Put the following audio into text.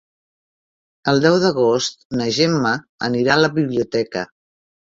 El deu d'agost na Gemma anirà a la biblioteca.